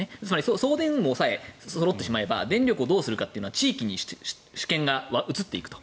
送電網さえそろってしまえば電力をどうするかは地域に主権が移っていくと。